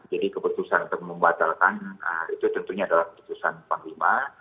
jadi keputusan untuk membatalkan itu tentunya adalah keputusan panglima